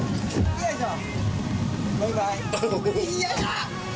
よいしょ！